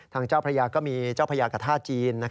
เจ้าพระยาก็มีเจ้าพระยากับท่าจีน